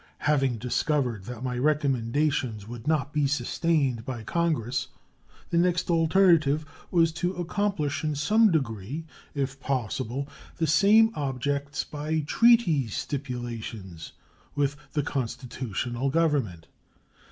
Having discovered that my recommendations would not be sustained by Congress, the next alternative was to accomplish in some degree, if possible, the same objects by treaty stipulations with the constitutional Government.